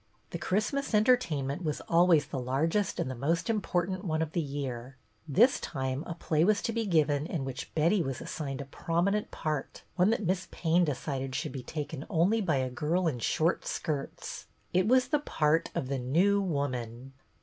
The Christmas entertainment was always the largest and the most important one of the year. This time a play was to be given in which Betty was assigned a prominent THE PLAY 133 part, one that Miss Payne decided should be taken only by a girl in short skirts; it was the part of The New Woman.